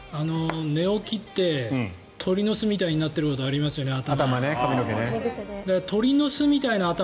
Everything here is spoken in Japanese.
寝起きって鳥の巣みたいになっていることありますよね、頭。